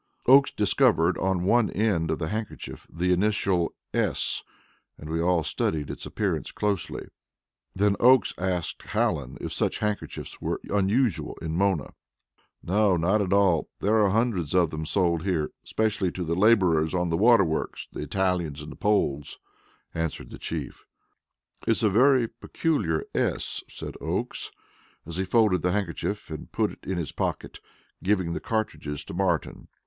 Oakes discovered on one end of the handkerchief the initial "S," and we all studied its appearance closely. Then Oakes asked Hallen if such handkerchiefs were unusual in Mona. "No, not at all; there are hundreds of them sold here, especially to the laborers on the water works the Italians and Poles," answered the Chief. "It is a very peculiar 'S,'" said Oakes, as he folded the handkerchief and put it in his pocket, giving the cartridges to Martin.